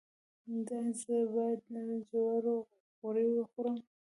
ایا زه باید د جوارو غوړي وخورم؟